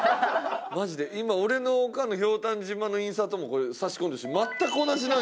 マジで今俺のオカンのひょうたん島のインサートもこれ差し込んでほしい。